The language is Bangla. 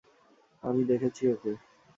আমি দেখেছি ওকে!